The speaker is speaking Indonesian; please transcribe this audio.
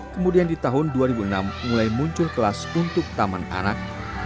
kemudian di tahun dua ribu enam mulai muncul kelas untuk taman anak